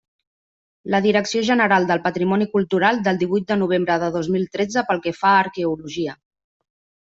La Direcció General del Patrimoni Cultural del divuit de novembre de dos mil tretze pel que fa a arqueologia.